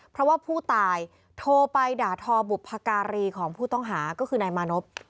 เพราะว่าผู้ตายโทรไปด่าทอบุพการีของผู้ต้องหาก็คือนายมานพ